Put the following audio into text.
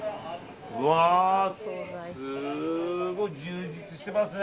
うわー、すごい充実してますね